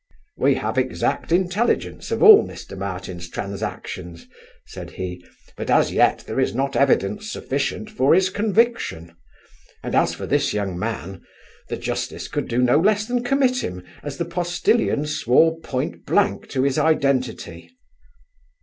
'We have exact intelligence of all Mr Martin's transactions (said he); but as yet there is not evidence sufficient for his conviction; and as for this young man, the justice could do no less than commit him, as the postilion swore point blank to his identity.